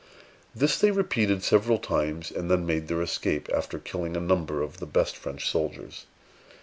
This they repeated several times, and then made their escape, after killing a number of the best French soldiers.